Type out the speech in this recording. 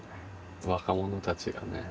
若者たちがね